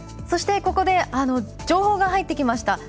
ここで情報が入ってきました。